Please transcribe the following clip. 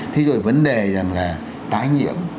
thế rồi vấn đề là tái nhiễm